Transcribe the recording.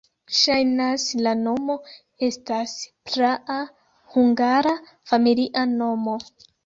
Ŝajnas, la nomo estas praa hungara familia nomo.